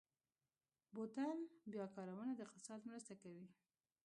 بوتل بیا کارونه د اقتصاد مرسته کوي.